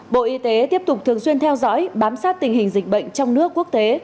bộ y tế tiếp tục thường xuyên theo dõi bám sát tình hình dịch bệnh trong nước quốc tế